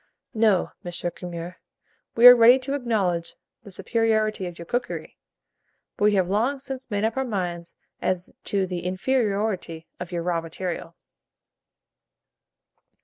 '" No, M. Curmer, we are ready to acknowledge the superiority of your cookery, but we have long since made up our minds as to the inferiority of your raw material.